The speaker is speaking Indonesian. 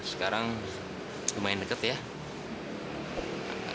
sekarang lumayan deket ya